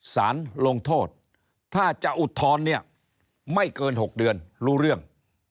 สารลงโทษถ้าจะอุทธรณ์เนี่ยไม่เกิน๖เดือนรู้เรื่อง